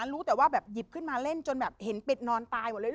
รู้แต่ว่าแบบหยิบขึ้นมาเล่นจนแบบเห็นเป็ดนอนตายหมดเลย